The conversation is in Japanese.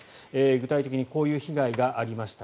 具体的にこういう被害がありました。